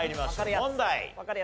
問題。